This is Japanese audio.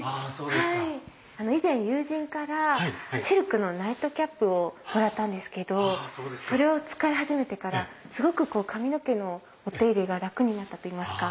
以前友人からシルクのナイトキャップをもらったんですけどそれを使い始めてからすごく髪の毛のお手入れが楽になったといいますか。